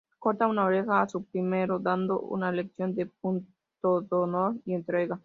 Corta una oreja a su primero dando una lección de pundonor y entrega.